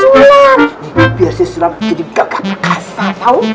sulam biar si sulam jadi gagal kasa tau